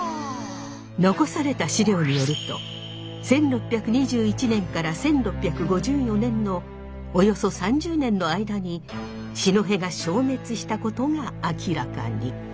残された資料によると１６２１年から１６５４年のおよそ３０年の間に四戸が消滅したことが明らかに！